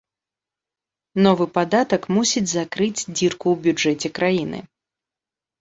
Новы падатак мусіць закрыць дзірку ў бюджэце краіны.